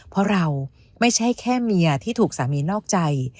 เพราะเราไม่ใช่แค่เมียที่ถูกสามีนอกใจ